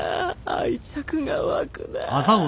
愛着が湧くなぁ。